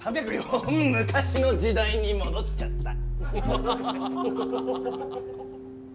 昔の時代に戻っちゃった。